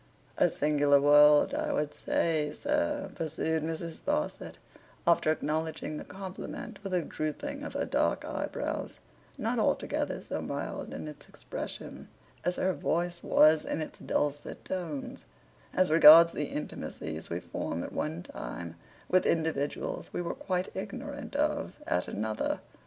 'A singular world, I would say, sir,' pursued Mrs. Sparsit; after acknowledging the compliment with a drooping of her dark eyebrows, not altogether so mild in its expression as her voice was in its dulcet tones; 'as regards the intimacies we form at one time, with individuals we were quite ignorant of, at another.